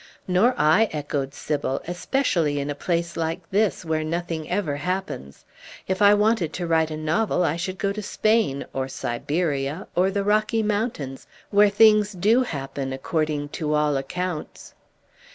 "Nor I," echoed Sybil, "especially in a place like this, where nothing ever happens. If I wanted to write a novel, I should go to Spain or Siberia or the Rocky Mountains where things do happen, according to all accounts."